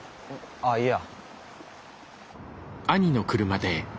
ああいや。